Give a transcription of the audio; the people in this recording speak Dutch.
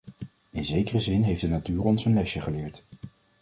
In zekere zin heeft de natuur ons een lesje geleerd.